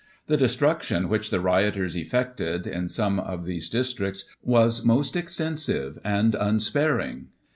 The destruction which the rioters effected in some of these districts was most extensive and unsparing.